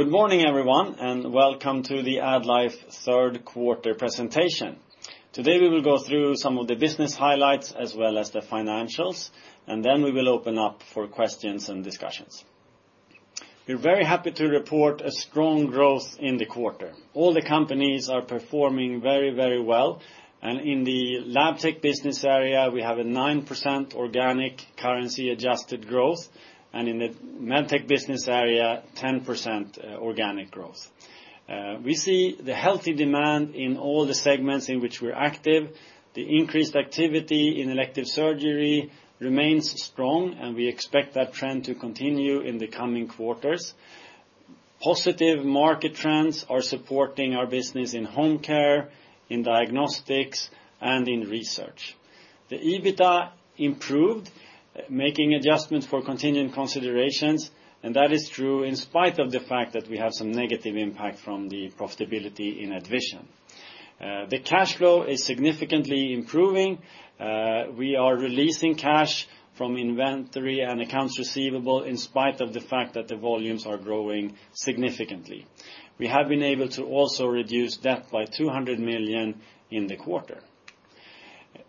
Good morning, everyone, and welcome to the AddLife third quarter presentation. Today, we will go through some of the business highlights as well as the financials, and then we will open up for questions and discussions. We're very happy to report a strong growth in the quarter. All the companies are performing very, very well, and in the Labtech business area, we have a 9% organic currency-adjusted growth, and in the Medtech business area, 10% organic growth. We see the healthy demand in all the segments in which we're active. The increased activity in elective surgery remains strong, and we expect that trend to continue in the coming quarters. Positive market trends are supporting our business in home care, in diagnostics, and in research. The EBITDA improved, making adjustments for continuing considerations, and that is true in spite of the fact that we have some negative impact from the profitability in AddVision. The cash flow is significantly improving. We are releasing cash from inventory and accounts receivable in spite of the fact that the volumes are growing significantly. We have been able to also reduce debt by 200 million in the quarter.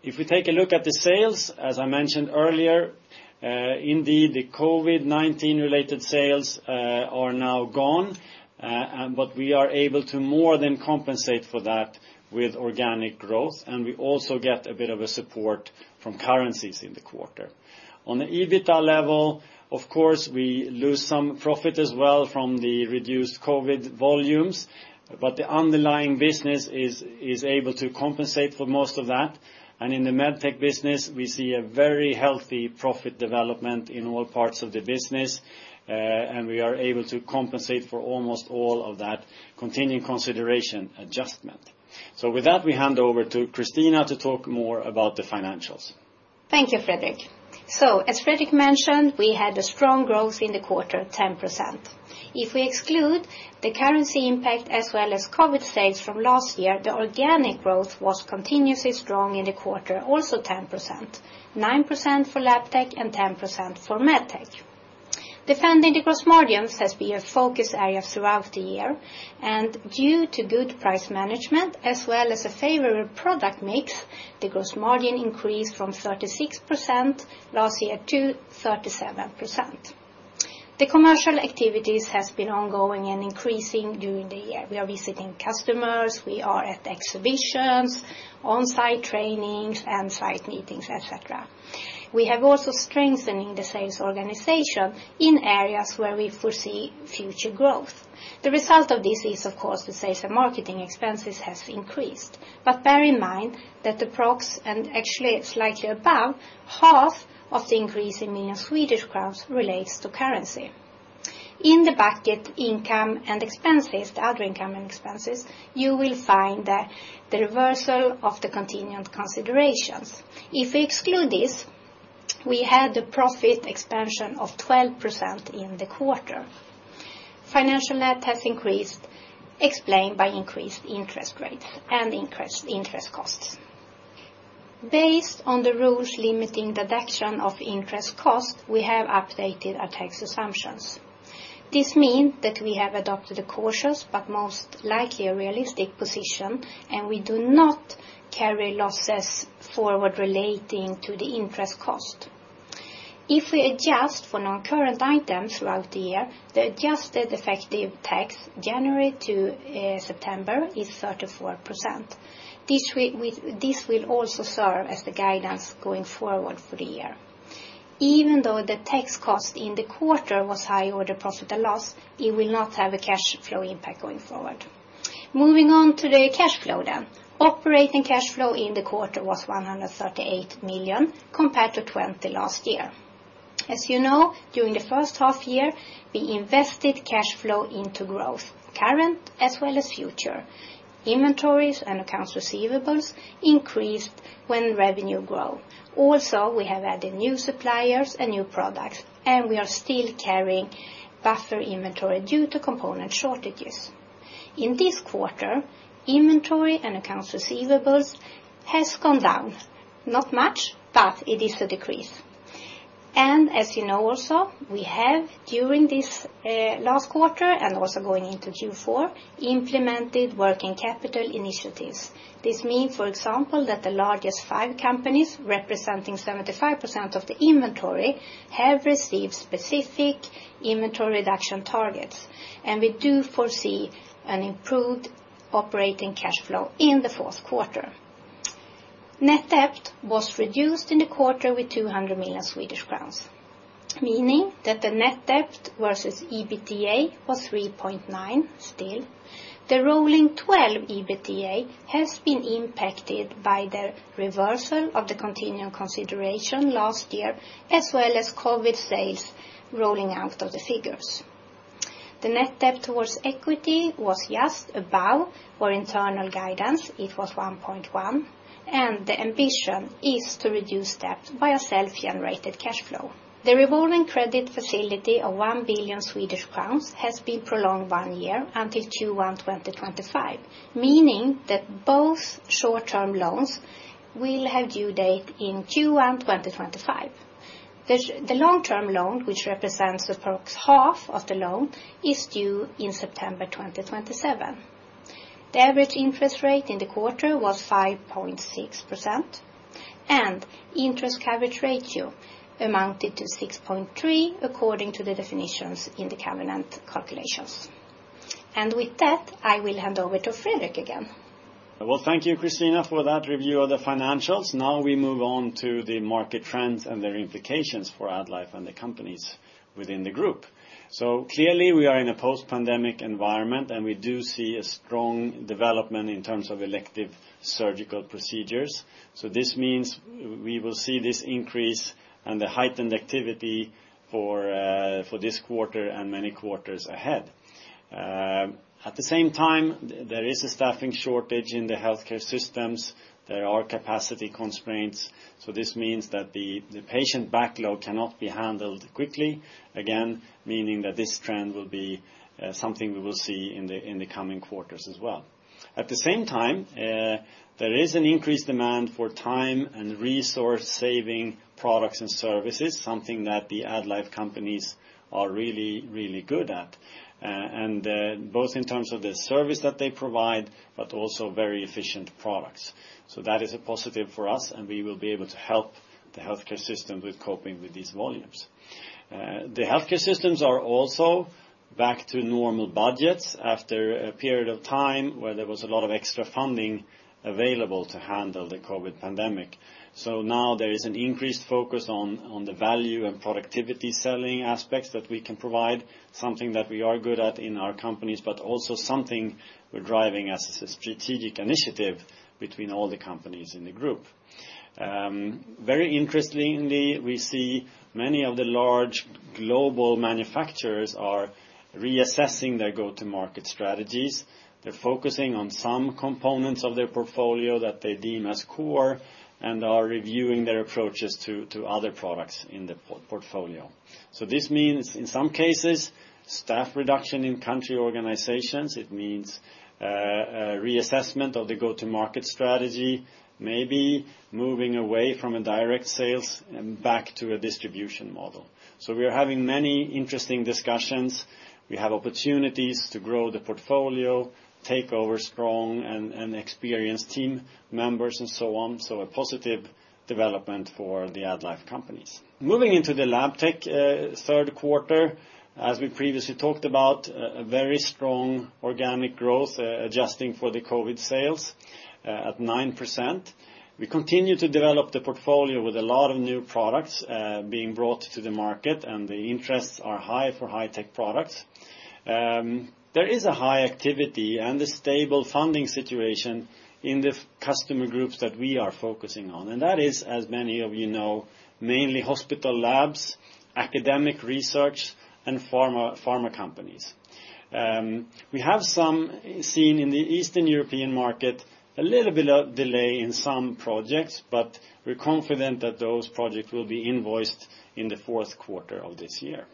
If we take a look at the sales, as I mentioned earlier, indeed, the COVID-19 related sales are now gone, and but we are able to more than compensate for that with organic growth, and we also get a bit of a support from currencies in the quarter. On the EBITDA level, of course, we lose some profit as well from the reduced COVID volumes, but the underlying business is able to compensate for most of that. And in the Medtech business, we see a very healthy profit development in all parts of the business, and we are able to compensate for almost all of that continuing consideration adjustment. So, with that, we hand over to Christina to talk more about the financials. Thank you, Fredrik. So, as Fredrik mentioned, we had a strong growth in the quarter, 10%. If we exclude the currency impact as well as COVID sales from last year, the organic growth was continuously strong in the quarter, also 10%, 9% for Labtech, and 10% for Medtech. Defending the gross margins has been a focus area throughout the year, and due to good price management, as well as a favorable product mix, the gross margin increased from 36% last year to 37%. The commercial activities has been ongoing and increasing during the year. We are visiting customers, we are at exhibitions, on-site trainings, and site meetings, et cetera. We have also strengthening the sales organization in areas where we foresee future growth. The result of this is, of course, the sales and marketing expenses has increased. But bear in mind that the process, and actually it's slightly above half of the increase in million Swedish crowns relates to currency. In the bucket income and expenses, the other income and expenses, you will find the reversal of the contingent considerations. If we exclude this, we had a profit expansion of 12% in the quarter. Financial net has increased, explained by increased interest rates and increased interest costs. Based on the rules limiting the deduction of interest costs, we have updated our tax assumptions. This means that we have adopted a cautious, but most likely a realistic position, and we do not carry losses forward relating to the interest cost. If we adjust for non-current items throughout the year, the adjusted effective tax, January to September, is 34%. This will also serve as the guidance going forward for the year. Even though the tax cost in the quarter was high over the profit and loss, it will not have a cash flow impact going forward. Moving on to the cash flow then. Operating cash flow in the quarter was 138 million, compared to 20 million last year. As you know, during the first half year, we invested cash flow into growth, current as well as future. Inventories and accounts receivables increased when revenue grow. Also, we have added new suppliers and new products, and we are still carrying faster inventory due to component shortages. In this quarter, inventory and accounts receivables has gone down. Not much, but it is a decrease. And as you know also, we have, during this, last quarter and also going into fourth quarter, implemented working capital initiatives. This means, for example, that the largest five companies, representing 75% of the inventory, have received specific inventory reduction targets, and we do foresee an improved operating cash flow in the fourth quarter. Net debt was reduced in the quarter with 200 million Swedish crowns, meaning that the net debt versus EBITDA was 3.9, still. The Rolling Twelve EBITDA has been impacted by the reversal of the continuing consideration last year, as well as COVID sales rolling out of the figures. The net debt towards equity was just above our internal guidance. It was 1.1 billion, and the ambition is to reduce debt by a self-generated cash flow. The revolving credit facility of 1 billion Swedish crowns has been prolonged one year until first quarter 2025, meaning that both short-term loans will have due date in first quarter 2025. The long-term loan, which represents approx half of the loan, is due in September 2027. The average interest rate in the quarter was 5.6%, and interest coverage ratio amounted to 6.3%, according to the definitions in the covenant calculations. With that, I will hand over to Fredrik again. Well, thank you, Christina, for that review of the financials. Now we move on to the market trends and their implications for AddLife and the companies within the group. So clearly, we are in a post-pandemic environment, and we do see a strong development in terms of elective surgical procedures. So this means we will see this increase and the heightened activity for this quarter and many quarters ahead. At the same time, there is a staffing shortage in the healthcare systems. There are capacity constraints, so this means that the patient backlog cannot be handled quickly, again, meaning that this trend will be something we will see in the coming quarters as well. At the same time, there is an increased demand for time and resource-saving products and services, something that the AddLife companies are really, really good at, and both in terms of the service that they provide, but also very efficient products. So that is a positive for us, and we will be able to help the healthcare system with coping with these volumes. The healthcare systems are also back to normal budgets after a period of time where there was a lot of extra funding available to handle the COVID pandemic. So now there is an increased focus on the value and productivity selling aspects that we can provide, something that we are good at in our companies, but also something we're driving as a strategic initiative between all the companies in the group. Very interestingly, we see many of the large global manufacturers are reassessing their go-to-market strategies. They're focusing on some components of their portfolio that they deem as core and are reviewing their approaches to other products in the portfolio. So this means, in some cases, staff reduction in country organizations. It means a reassessment of the go-to-market strategy, maybe moving away from a direct sales and back to a distribution model. So we are having many interesting discussions. We have opportunities to grow the portfolio, take over strong and experienced team members, and so on. So, a positive development for the AddLife companies. Moving into the Labtech third quarter, as we previously talked about, a very strong organic growth, adjusting for the COVID sales, at 9%. We continue to develop the portfolio with a lot of new products being brought to the market, and the interests are high for high-tech products. There is a high activity and a stable funding situation in the customer groups that we are focusing on, and that is, as many of you know, mainly hospital labs, academic research, and pharma, pharma companies. We have seen some in the Eastern European market, a little bit of delay in some projects, but we're confident that those projects will be invoiced in the fourth quarter of this year.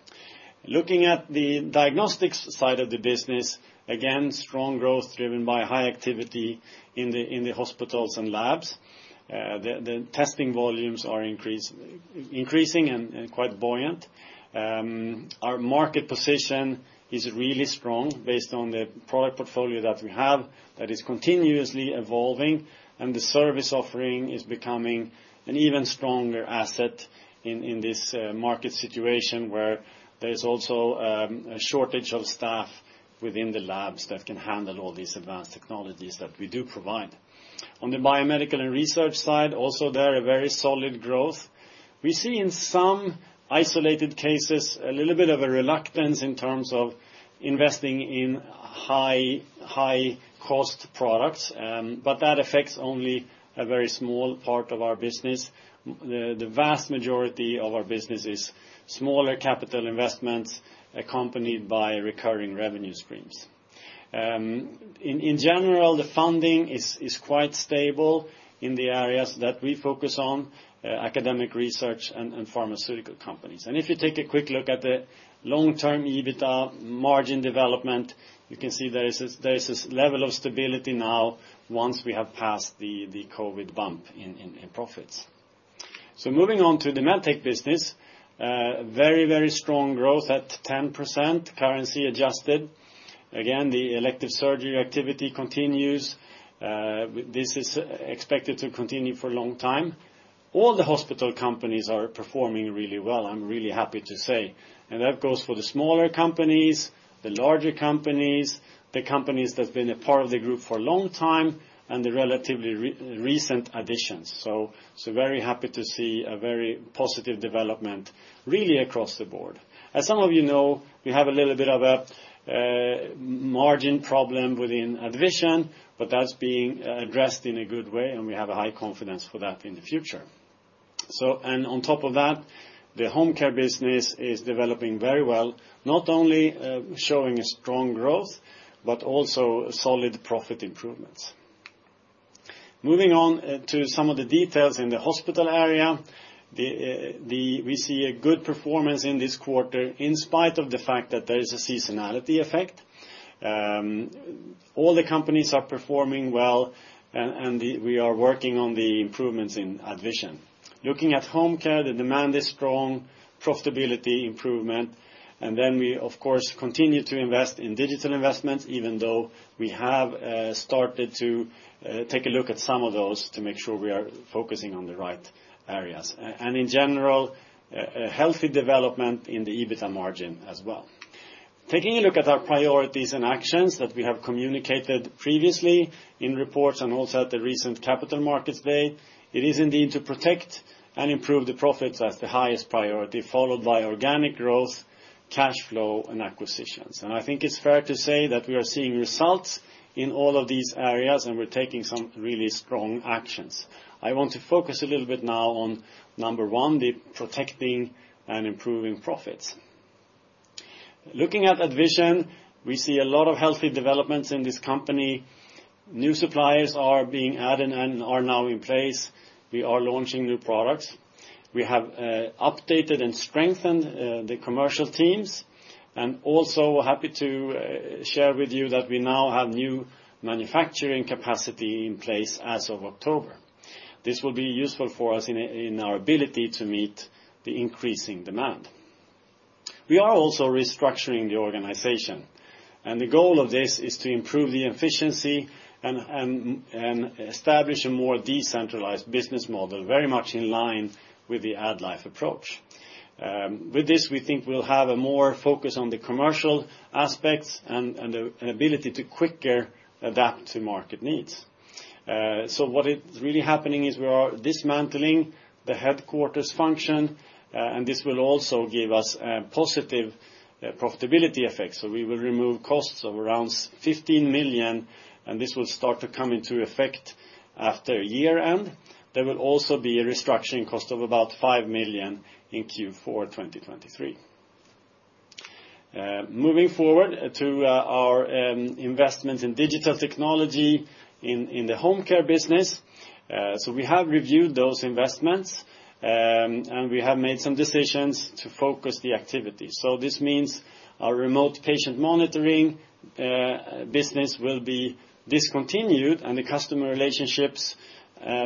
Looking at the diagnostics side of the business, again, strong growth driven by high activity in the hospitals and labs. The testing volumes are increasing and quite buoyant. Our market position is really strong based on the product portfolio that we have that is continuously evolving, and the service offering is becoming an even stronger asset in this market situation, where there's also a shortage of staff within the labs that can handle all these advanced technologies that we do provide. On the biomedical and research side, also there a very solid growth. We see in some isolated cases, a little bit of a reluctance in terms of investing in high-cost products, but that affects only a very small part of our business. The vast majority of our business is smaller capital investments, accompanied by recurring revenue streams. In general, the funding is quite stable in the areas that we focus on, academic research and pharmaceutical companies. And if you take a quick look at the long-term EBITDA margin development, you can see there is a level of stability now once we have passed the COVID bump in profits. So moving on to the Medtech business, very, very strong growth at 10%, currency adjusted. Again, the elective surgery activity continues. This is expected to continue for a long time. All the hospital companies are performing really well, I'm really happy to say, and that goes for the smaller companies, the larger companies, the companies that's been a part of the group for a long time, and the relatively recent additions. So very happy to see a very positive development, really across the board. As some of you know, we have a little bit of a margin problem within AddVision, but that's being addressed in a good way, and we have a high confidence for that in the future. So, and on top of that, the home care business is developing very well, not only showing a strong growth, but also solid profit improvements. Moving on to some of the details in the hospital area. We see a good performance in this quarter, in spite of the fact that there is a seasonality effect. All the companies are performing well, and we are working on the improvements in AddVision. Looking at home care, the demand is strong, profitability improvement, and then we, of course, continue to invest in digital investments, even though we have started to take a look at some of those to make sure we are focusing on the right areas. And in general, a healthy development in the EBITDA margin as well. Taking a look at our priorities and actions that we have communicated previously in reports and also at the recent Capital Markets Day, it is indeed to protect and improve the profits as the highest priority, followed by organic growth, cash flow, and acquisitions. And I think it's fair to say that we are seeing results in all of these areas, and we're taking some really strong actions. I want to focus a little bit now on number one, the protecting and improving profits. Looking at AddVision, we see a lot of healthy developments in this company. New suppliers are being added and are now in place. We are launching new products. We have updated and strengthened the commercial teams, and also happy to share with you that we now have new manufacturing capacity in place as of October. This will be useful for us in our ability to meet the increasing demand. We are also restructuring the organization, and the goal of this is to improve the efficiency and establish a more decentralized business model, very much in line with the AddLife approach. With this, we think we'll have a more focus on the commercial aspects and the ability to quicker adapt to market needs. So what is really happening is we are dismantling the headquarters function, and this will also give us positive profitability effects. So we will remove costs of around 15 million, and this will start to come into effect after year-end. There will also be a restructuring cost of about 5 million in fourth quarter 2023. Moving forward to our investments in digital technology in the home care business. So we have reviewed those investments, and we have made some decisions to focus the activities. So, this means our remote patient monitoring business will be discontinued, and the customer relationships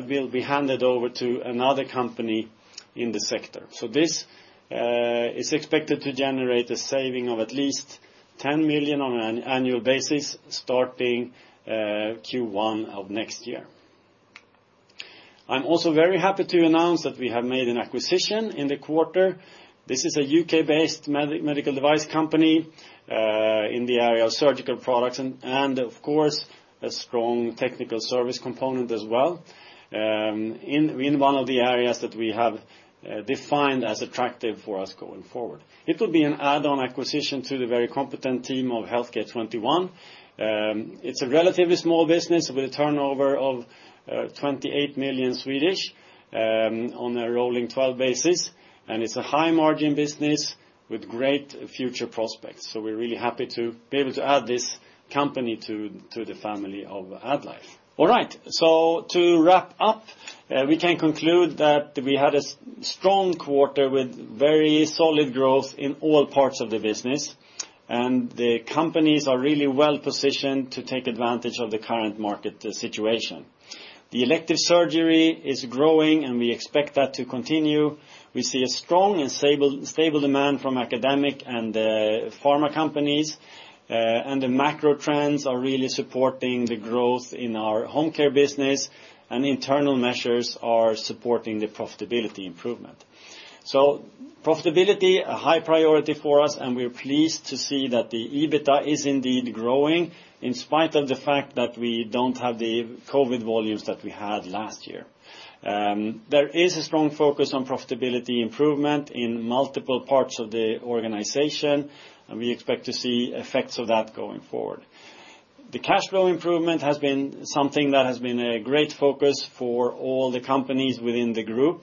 will be handed over to another company in the sector. So this is expected to generate a saving of at least 10 million on an annual basis, starting first quarter of next year. I'm also very happy to announce that we have made an acquisition in the quarter. This is a U.K.-based medical device company in the area of surgical products and of course, a strong technical service component as well, in one of the areas that we have defined as attractive for us going forward. It will be an add-on acquisition to the very competent team of Healthcare 21. It's a relatively small business with a turnover of 28 million on a rolling twelve basis, and it's a high-margin business with great future prospects. So, we're really happy to be able to add this company to the family of AddLife. All right, so to wrap up, we can conclude that we had a strong quarter with very solid growth in all parts of the business, and the companies are really well positioned to take advantage of the current market situation. The elective surgery is growing, and we expect that to continue. We see a strong and stable demand from academic and pharma companies, and the macro trends are really supporting the growth in our home care business, and internal measures are supporting the profitability improvement. So, profitability, a high priority for us, and we are pleased to see that the EBITDA is indeed growing, in spite of the fact that we don't have the COVID volumes that we had last year. There is a strong focus on profitability improvement in multiple parts of the organization, and we expect to see effects of that going forward. The cash flow improvement has been something that has been a great focus for all the companies within the group,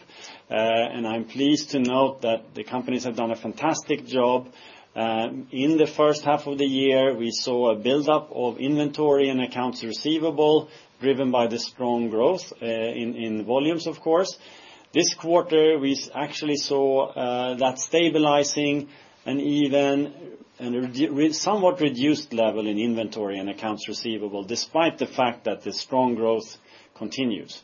and I'm pleased to note that the companies have done a fantastic job. In the first half of the year, we saw a build-up of inventory and accounts receivable, driven by the strong growth in volumes, of course. This quarter, we actually saw that stabilizing and even a somewhat reduced level in inventory and accounts receivable, despite the fact that the strong growth continues.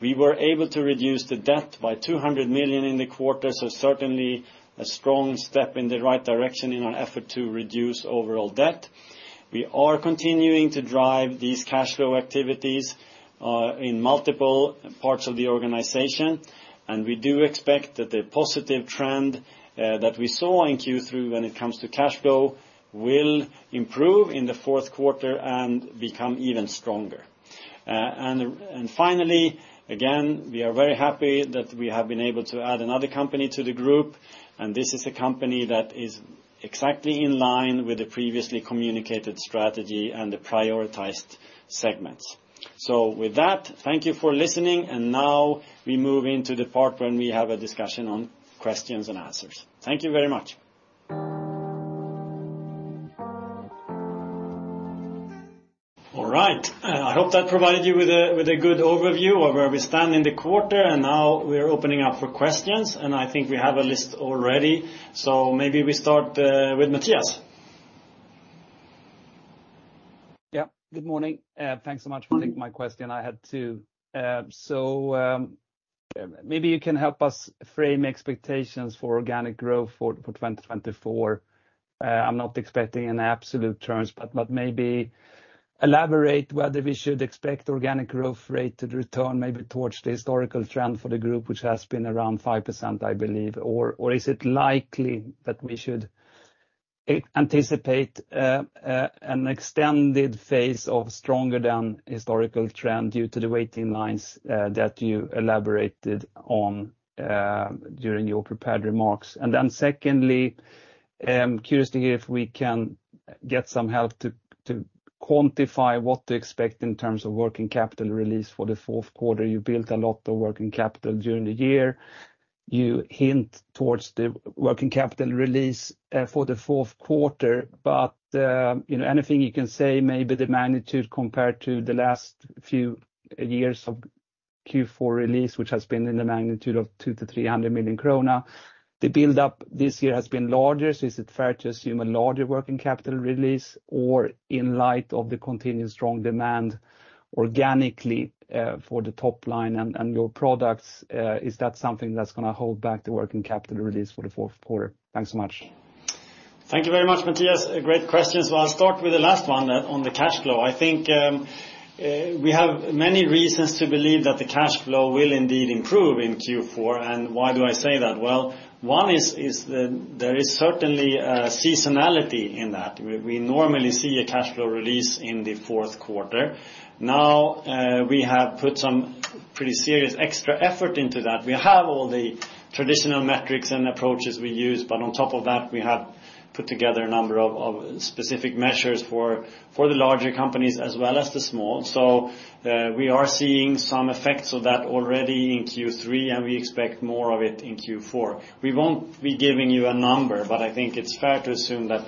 We were able to reduce the debt by 200 million in the quarter, so certainly a strong step in the right direction in our effort to reduce overall debt. We are continuing to drive these cash flow activities in multiple parts of the organization, and we do expect that the positive trend that we saw in third quarter when it comes to cash flow will improve in the fourth quarter and become even stronger. And finally, again, we are very happy that we have been able to add another company to the group, and this is a company that is exactly in line with the previously communicated strategy and the prioritized segments. So, with that, thank you for listening, and now we move into the part when we have a discussion on questions and answers. Thank you very much. All right, I hope that provided you with a good overview of where we stand in the quarter, and now we are opening up for questions, and I think we have a list already. Maybe we start with Mattias. Yeah, good morning. Thanks so much for taking my question. I had two. So, maybe you can help us frame expectations for organic growth for 2024. I'm not expecting an absolute trans, but maybe elaborate whether we should expect organic growth rate to return maybe towards the historical trend for the group, which has been around 5%, I believe. Or is it likely that we should anticipate an extended phase of stronger than historical trend due to the waiting lines that you elaborated on during your prepared remarks? And then secondly, curious to hear if we can get some help to quantify what to expect in terms of working capital release for the fourth quarter. You built a lot of working capital during the year. You hint towards the working capital release, for the fourth quarter, but, you know, anything you can say, maybe the magnitude compared to the last few years of fourth quarter release, which has been in the magnitude of 200 to 300 million. The build-up this year has been larger. So, is it fair to assume a larger working capital release, or in light of the continued strong demand organically, for the top line and, and your products, is that something that's gonna hold back the working capital release for the fourth quarter? Thanks so much. Thank you very much, Mattias. Great questions. Well, I'll start with the last one on the cash flow. I think, we have many reasons to believe that the cash flow will indeed improve in fourth quarter. And why do I say that? Well, one is, there is certainly a seasonality in that. We normally see a cash flow release in the fourth quarter. Now, we have put some pretty serious extra effort into that. We have all the traditional metrics and approaches we use, but on top of that, we have put together a number of specific measures for the larger companies as well as the small. So, we are seeing some effects of that already in third quarter, and we expect more of it in fourth quarter. We won't be giving you a number, but I think it's fair to assume that,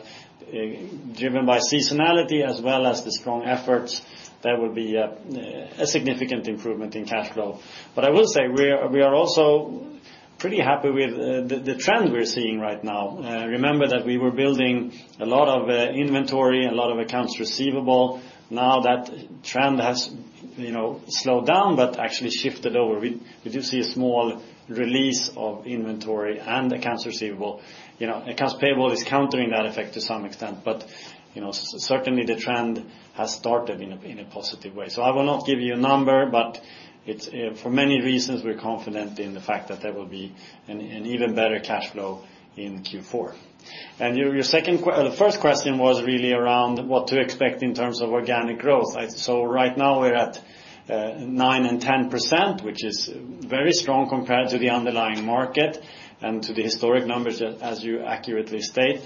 driven by seasonality as well as the strong efforts, there will be a significant improvement in cash flow. But I will say we are, we are also pretty happy with the trend we're seeing right now. Remember that we were building a lot of inventory, a lot of accounts receivable. Now that trend has, you know, slowed down but actually shifted over. We, we do see a small release of inventory and accounts receivable. You know, accounts payable is countering that effect to some extent, but, you know, certainly the trend has started in a positive way. So I will not give you a number, but it's for many reasons, we're confident in the fact that there will be an even better cash flow in fourth quarter. And your second question, the first question was really around what to expect in terms of organic growth. So right now, we're at 9% to 10%, which is very strong compared to the underlying market and to the historic numbers, as you accurately state.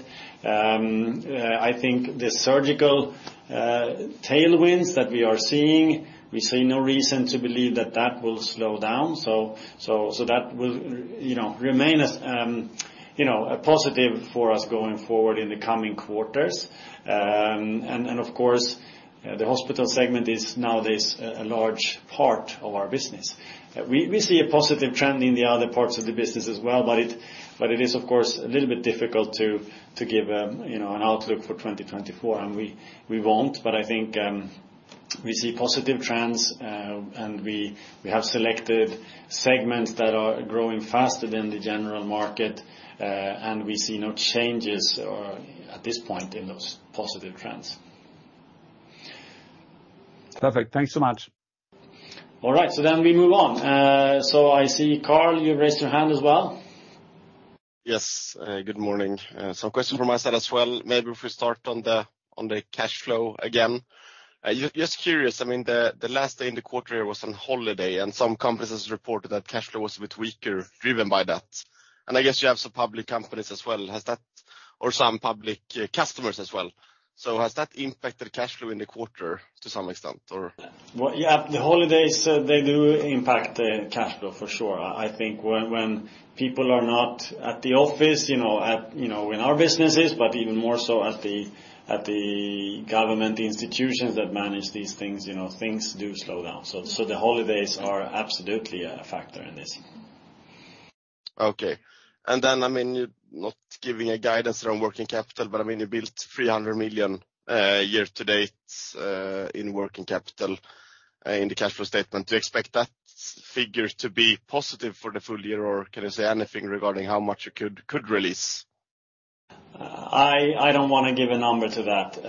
I think the surgical tailwinds that we are seeing, we see no reason to believe that that will slow down. So that will, you know, remain as, you know, a positive for us going forward in the coming quarters. And, of course, the hospital segment is nowadays a large part of our business. We see a positive trend in the other parts of the business as well, but it is, of course, a little bit difficult to give, you know, an outlook for 2024, and we won't. But I think we see positive trends, and we have selected segments that are growing faster than the general market, and we see no changes or at this point in those positive trends. Perfect. Thanks so much. All right, so then we move on. I see, Karl, you raised your hand as well. Yes, good morning. Some questions from my side as well. Maybe if we start on the cash flow again. Just curious, I mean, the last day in the quarter was on holiday, and some companies reported that cash flow was a bit weaker, driven by that. And I guess you have some public companies as well. Has that... Or some public customers as well. So, has that impacted cash flow in the quarter to some extent, or...? Well, yeah, the holidays they do impact the cash flow for sure. I think when people are not at the office, you know, in our businesses, but even more so at the government institutions that manage these things, you know, things do slow down. So, the holidays are absolutely a factor in this. Okay. And then, I mean, you're not giving a guidance around working capital, but I mean, you built 300 million year to date in working capital in the cash flow statement. Do you expect that figure to be positive for the full year, or can you say anything regarding how much it could release? I don't wanna give a number to that.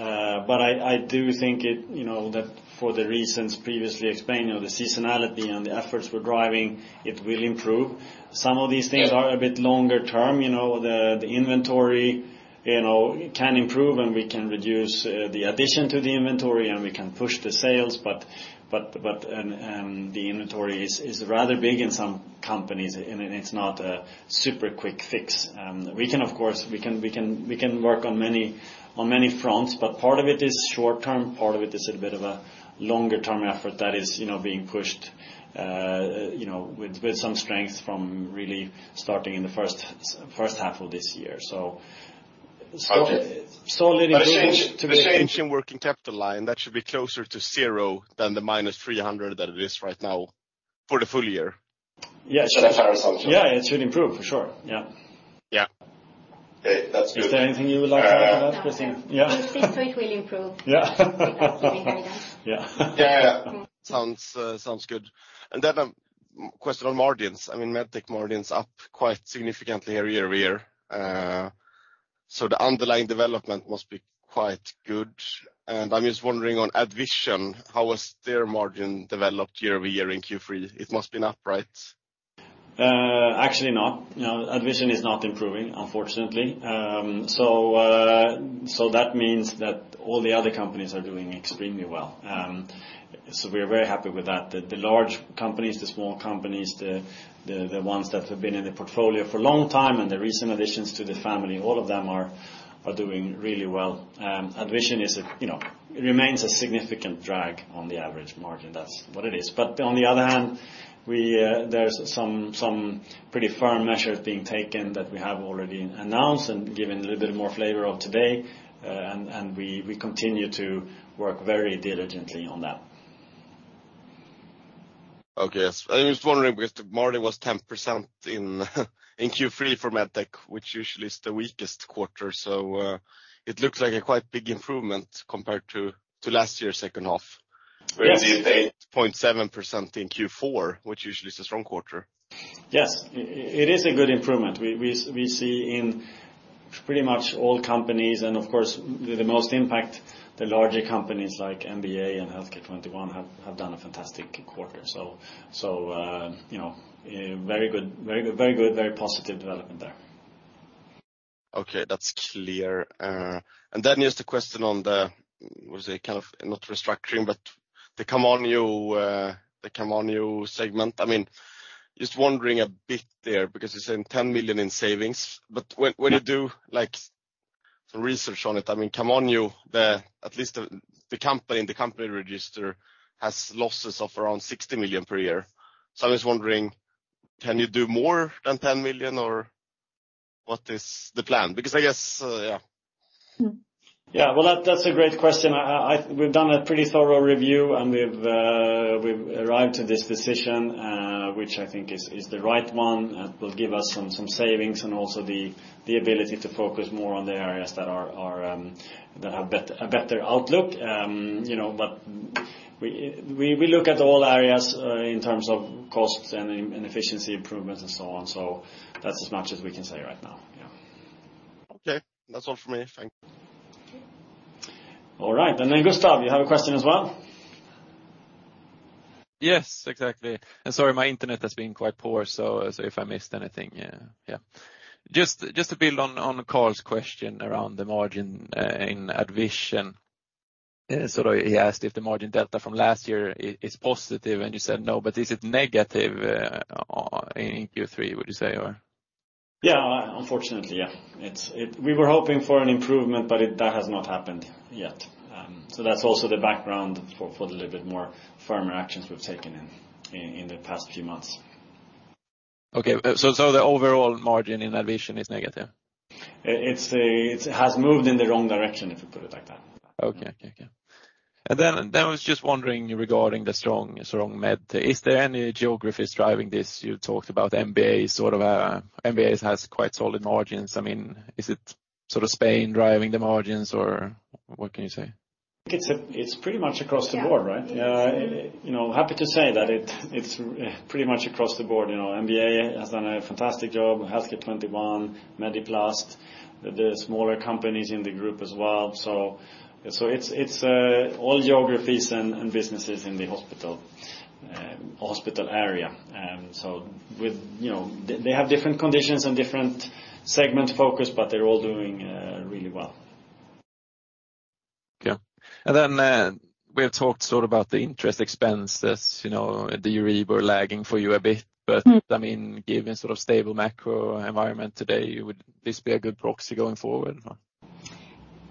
But I do think it, you know, that for the reasons previously explained, you know, the seasonality and the efforts we're driving, it will improve. Some of these things are a bit longer term, you know, the inventory, you know, can improve, and we can reduce the addition to the inventory, and we can push the sales. But the inventory is rather big in some companies, and it's not a super quick fix. We can, of course, work on many fronts, but part of it is short term, part of it is a bit of a longer-term effort that is, you know, being pushed, you know, with some strength from really starting in the first half of this year. So, solid, solid... The change, the change in working capital line, that should be closer to zero than the minus 300 million that it is right now for the full year? Yes. Is that a fair assumption? Yeah, it should improve, for sure. Yeah. Yeah. Okay, that's good. Is there anything you would like to add to that, Christina? Yeah. It will improve. Yeah. That's pretty good. Yeah. Yeah, yeah. Sounds good. And then a question on margins. I mean, Medtech margins up quite significantly year-over-year. So, the underlying development must be quite good. And I'm just wondering on AddVision, how has their margin developed year-over-year in third quarter? It must be up, right? Actually, not. No, AddVision is not improving, unfortunately. So that means that all the other companies are doing extremely well. So, we're very happy with that. The large companies, the small companies, the ones that have been in the portfolio for a long time, and the recent additions to the family, all of them are doing really well. AddVision is a, you know, it remains a significant drag on the average margin. That's what it is. But on the other hand, we, there's some pretty firm measures being taken that we have already announced and given a little bit more flavor of today, and we continue to work very diligently on that. Okay. Yes, I was just wondering, because the margin was 10% in third quarter for Medtech, which usually is the weakest quarter. So, it looks like a quite big improvement compared to last year's second half. Yes. Where you had 8.7% in fourth quarter, which usually is a strong quarter. Yes, it is a good improvement. We see in pretty much all companies, and of course, the most impact, the larger companies like MBA and Healthcare 21 have done a fantastic quarter. So, you know, very good, very good, very good, very positive development there. Okay, that's clear. And then just a question on the, what is it? Kind of not restructuring, but the Camanio, the Camanio segment. I mean, just wondering a bit there, because you're saying 10 million in savings, but when... Yeah When you do, like, some research on it, I mean, Camanio, at least the company, and the company register has losses of around 60 million per year. So, I'm just wondering, can you do more than 10 million, or what is the plan? Because I guess, yeah. Mm-hmm. Yeah, well, that's a great question. We've done a pretty thorough review, and we've arrived to this decision, which I think is the right one and will give us some savings and also the ability to focus more on the areas that have a better outlook. You know, but we look at all areas in terms of costs and efficiency improvements and so on. So that's as much as we can say right now. Yeah. Okay, that's all for me. Thank you. All right. Then, Gustav, you have a question as well? Yes, exactly. And sorry, my internet has been quite poor, so, so if I missed anything, yeah, yeah. Just, just to build on Karl's question around the margin in AddVision. So, he asked if the margin delta from last year is positive, and you said no, but is it negative or in third quarter, would you say, or? Yeah. Unfortunately, yeah. It's. We were hoping for an improvement, but that has not happened yet. So that's also the background for the little bit more firmer actions we've taken in the past few months. Okay. So the overall margin in AddVision is negative? It has moved in the wrong direction, if you put it like that. Okay. I was just wondering regarding the strong Medtech. Is there any geographies driving this? You talked about MBA, sort of. MBA has quite solid margins. I mean, is it sort of Spain driving the margins, or what can you say? It's pretty much across the board, right? Yeah. You know, happy to say that it's pretty much across the board. You know, MBA has done a fantastic job, Healthcare 21, Mediplast, the smaller companies in the group as well. So, it's all geographies and businesses in the hospital area. So, with, you know, they have different conditions and different segment focus, but they're all doing really well. Okay. And then, we have talked sort of about the interest expenses, you know, the Euribor lagging for you a bit. Mm-hmm. I mean, given sort of stable macro environment today, would this be a good proxy going forward?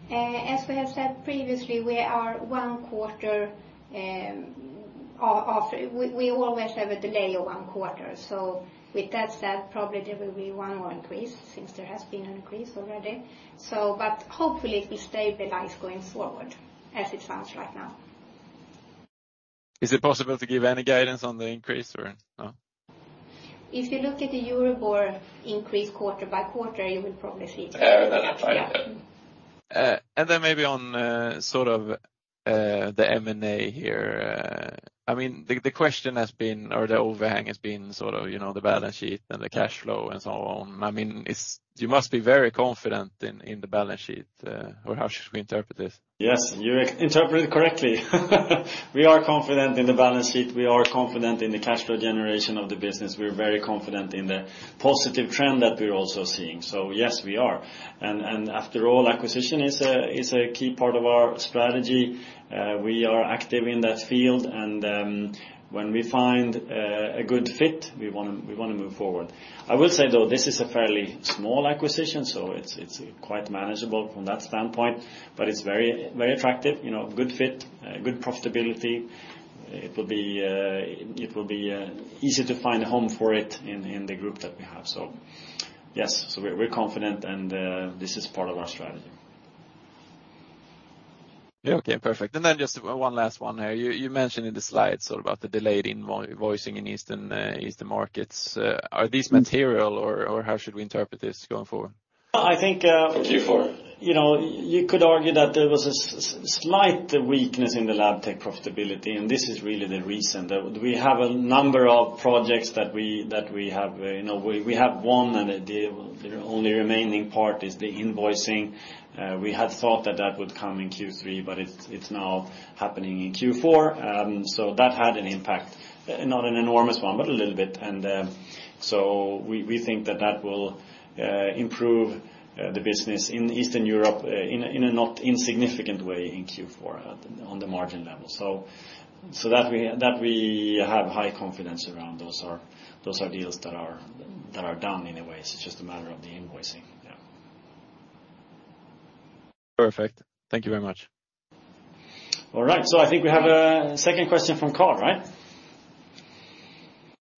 As we have said previously, we are one quarter off. We always have a delay of one quarter. So with that said, probably there will be one more increase, since there has been an increase already. So, but hopefully, it will stabilize going forward, as it sounds right now. Is it possible to give any guidance on the increase or no? If you look at the Euribor increase quarter by quarter, you will probably see. Yeah, that's fine. Yeah. And then maybe on sort of the M&A here, I mean, the question has been, or the overhang has been sort of, you know, the balance sheet and the cash flow and so on. I mean, it's you must be very confident in the balance sheet, or how should we interpret this? Yes, you interpret it correctly. We are confident in the balance sheet. We are confident in the cash flow generation of the business. We're very confident in the positive trend that we're also seeing. So yes, we are. And after all, acquisition is a key part of our strategy. We are active in that field, and when we find a good fit, we wanna move forward. I will say, though, this is a fairly small acquisition, so it's quite manageable from that standpoint, but it's very, very attractive, you know, good fit, good profitability. It will be easy to find a home for it in the group that we have. So yes, we're confident, and this is part of our strategy. Yeah, okay, perfect. And then just one last one here. You, you mentioned in the slides about the delayed invoicing in Eastern markets. Are these material, or how should we interpret this going forward? I think, you know, you could argue that there was a slight weakness in the Labtech profitability, and this is really the reason that we have a number of projects that we have. You know, we have one, and the only remaining part is the invoicing. We had thought that that would come in third quarter, but it's now happening in fourth quarter. So that had an impact, not an enormous one, but a little bit. And so we think that that will improve the business in Eastern Europe, in a not insignificant way in fourth quarter on the margin level. So that we have high confidence around. Those are deals that are done in a way. It's just a matter of the invoicing. Yeah. Perfect. Thank you very much. All right, so I think we have a second question from Karl, right?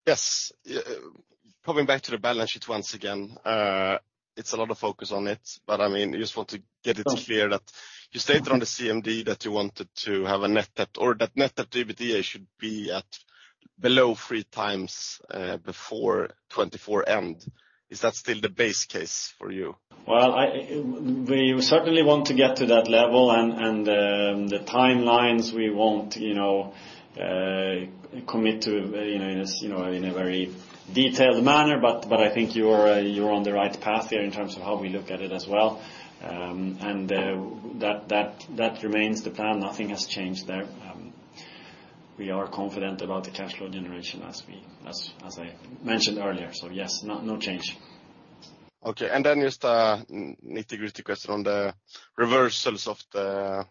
Yes. Coming back to the balance sheet once again, it's a lot of focus on it, but, I mean, I just want to get it clear that you stated on the CMD that you wanted to have a net debt- or that net debt EBITDA should be at below 3x, before 2024 end. Is that still the base case for you? Well, I, we certainly want to get to that level, and, and, the timelines we won't, you know, commit to, you know, as, you know, in a very detailed manner, but, but I think you're, you're on the right path here in terms of how we look at it as well. And that, that, that remains the plan. Nothing has changed there. We are confident about the cash flow generation as, as I mentioned earlier, so yes, no, no change. Okay, and then just, nitty-gritty question on the reversals of the,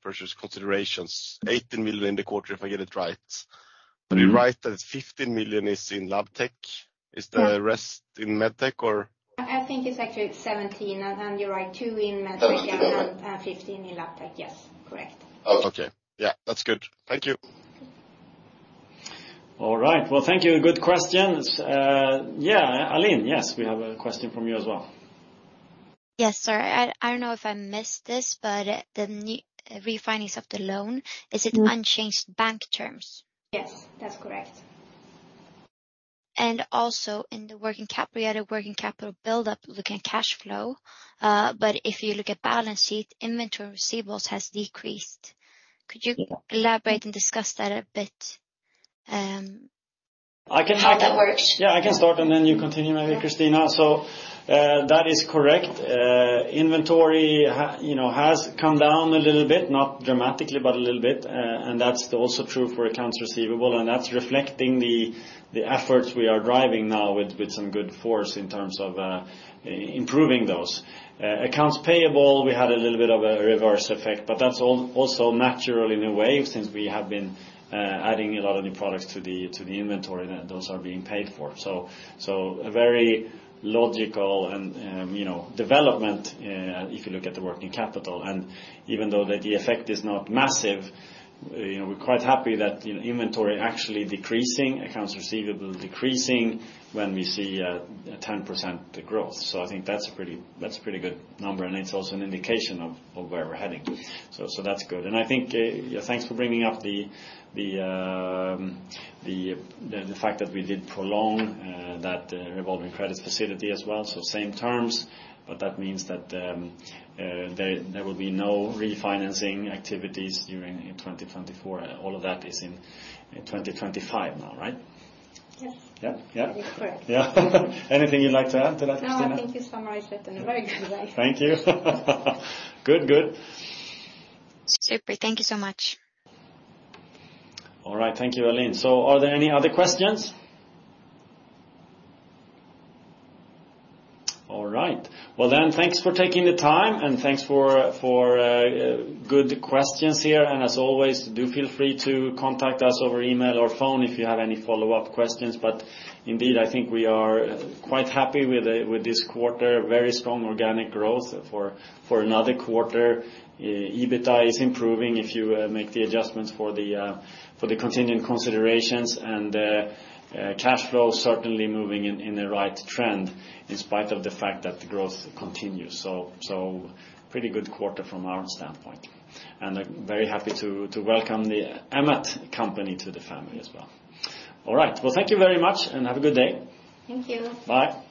purchase considerations, 18 million in the quarter, if I get it right? Mm-hmm. Are you right that 15 million is in Labtech? Yeah. Is the rest in Medtech, or? I think it's actually 17, and then you're right, two in Medtech... That's correct And 15 in Labtech. Yes, correct. Okay. Yeah, that's good. Thank you. All right. Well, thank you. Good questions. Yeah, Aline, yes, we have a question from you as well. Yes, sir. I don't know if I missed this, but the new refinancing of the loan, is it unchanged bank terms? Yes, that's correct. Also, in the working capital, we had a working capital buildup looking at cash flow, but if you look at balance sheet, inventory receivables has decreased. Could you elaborate and discuss that a bit? I can... How that works? Yeah, I can start, and then you continue, maybe, Christina. Yeah. So, that is correct. Inventory, you know, has come down a little bit, not dramatically, but a little bit. And that's also true for accounts receivable, and that's reflecting the efforts we are driving now with some good force in terms of improving those. Accounts payable, we had a little bit of a reverse effect, but that's also naturally in a way, since we have been adding a lot of new products to the inventory, and those are being paid for. A very logical and, you know, development if you look at the working capital, and even though the effect is not massive, you know, we're quite happy that inventory actually decreasing, accounts receivable decreasing when we see a 10% growth. So, I think that's a pretty, that's a pretty good number, and it's also an indication of, of where we're heading. So, so that's good. And I think... Thanks for bringing up the, the, the fact that we did prolong that revolving credit facility as well, so same terms, but that means that, there, there will be no refinancing activities during in 2024. All of that is in 2025 now, right? Yes. Yeah, yeah? That's correct. Yeah. Anything you'd like to add to that, Christina? No, I think you summarized it in a very good way. Thank you. Good, good. Super. Thank you so much. All right. Thank you, Aline. So are there any other questions? All right. Well, then, thanks for taking the time, and thanks for good questions here. And as always, do feel free to contact us over email or phone if you have any follow-up questions. But indeed, I think we are quite happy with this quarter. Very strong organic growth for another quarter. EBITDA is improving if you make the adjustments for the continuing considerations and cash flow certainly moving in the right trend, in spite of the fact that the growth continues. So pretty good quarter from our standpoint, and I'm very happy to welcome the Emmat company to the family as well. All right. Well, thank you very much, and have a good day. Thank you. Bye.